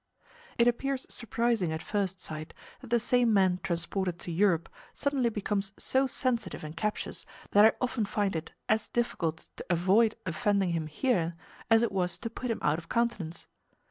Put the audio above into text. It appears surprising at first sight that the same man transported to Europe suddenly becomes so sensitive and captious, that I often find it as difficult to avoid offending him here as it was to put him out of countenance.